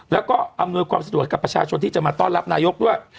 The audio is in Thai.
แล้วก็อำนวยความสะดวกกับประชาชนที่จะมาต้อนรับนายกด้วย